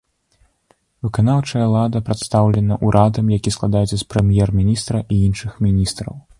Выканаўчая ўлада прадстаўлена урадам, які складаецца з прэм'ер-міністра і іншых міністраў.